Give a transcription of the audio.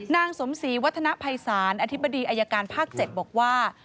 นางสมศรีวัฒนภัยศาลอธิบดีอายการภาค๗บอกว่า